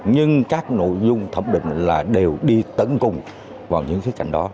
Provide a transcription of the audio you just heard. nhưng các nội dung thẩm định là đều đi tấn công vào những cái trạng đó